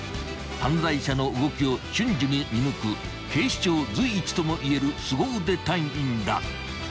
［犯罪者の動きを瞬時に見抜く警視庁随一ともいえるすご腕隊員だ］